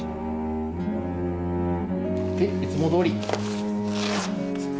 いつもどおり。